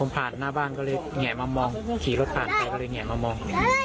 ผ่านหน้าบ้านก็เลยแห่มามองขี่รถผ่านไปก็เลยแหงมามอง